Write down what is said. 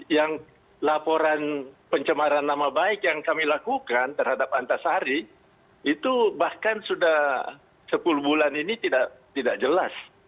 yang laporan pencemaran nama baik yang kami lakukan terhadap antasari itu bahkan sudah sepuluh bulan ini tidak jelas